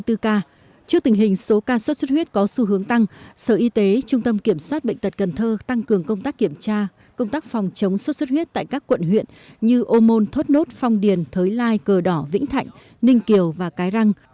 trước tình hình số ca sốt xuất huyết có xu hướng tăng sở y tế trung tâm kiểm soát bệnh tật cần thơ tăng cường công tác kiểm tra công tác phòng chống sốt xuất huyết tại các quận huyện như ô môn thốt nốt phong điền thới lai cờ đỏ vĩnh thạnh ninh kiều và cái răng